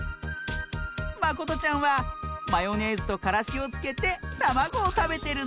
まことちゃんはマヨネーズとからしをつけてたまごをたべてるんだって！